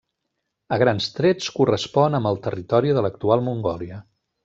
A grans trets correspon amb el territori de l'actual Mongòlia.